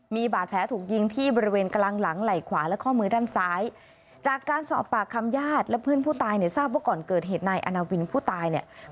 มีบาดแผลถูกยิงที่บริเวณกลางหลังไหล่ขวาและข้อมือด้านซ้ายจากการสอบปากคำญาติและเพื่อนผู้ตายเนี่ยทราบว่าก่อนเกิดเหตุนายอาณาวินผู้ตายเนี่ย